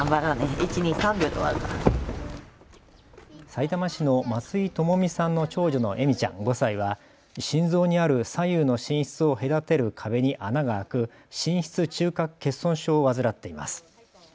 さいたま市の松井朋美さんの長女の笑美ちゃん５歳は心臓にある左右の心室を隔てる壁に穴が開く心室中隔欠損症を患っています。